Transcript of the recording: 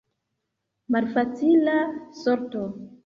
Malfacila sorto.